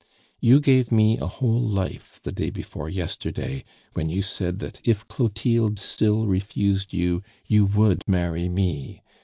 You gave me a whole life the day before yesterday, when you said that if Clotilde still refused you, you would marry me.